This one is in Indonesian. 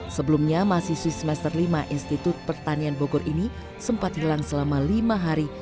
sebelumnya mahasiswi semester lima institut pertanian bogor ini sempat hilang selama lima hari